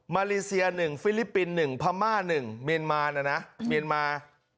มารีเซียหนึ่งฟิลิปปินส์หนึ่งพม่าหนึ่งเมียนมาน่ะนะเมียนมา